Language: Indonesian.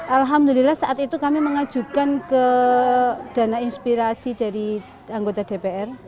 alhamdulillah saat itu kami mengajukan ke dana inspirasi dari anggota dpr